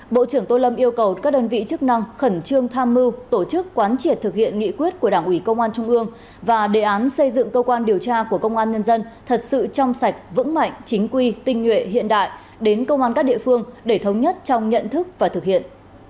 bộ trưởng tô lâm yêu cầu các đơn vị chức năng khẩn trương tham mưu tổ chức quán triệt thực hiện nghị quyết của đảng ủy công an trung ương và đề án xây dựng cơ quan điều tra của công an nhân dân thật sự trong sạch vững mạnh chính quy tinh nhuệ hiện đại đến công an các địa phương để thống nhất trong nhận thức và thực hiện